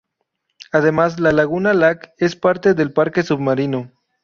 Además, la laguna Lac es parte del parque submarino.